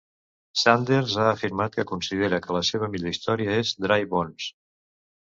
Sanders ha afirmat que considera que la seva millor història és "Dry Bones".